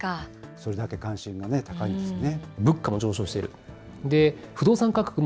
それだけ関心が高いんですね。